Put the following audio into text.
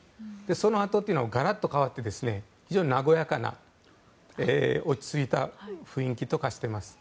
そのあとというのはガラッと変わって非常に和やかな落ち着いた雰囲気と化しています。